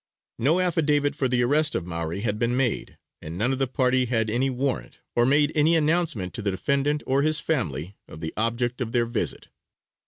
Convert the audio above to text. No affidavit for the arrest of Maury had been made, and none of the party had any warrant, or made any announcement to the defendant or his family, of the object of their visit.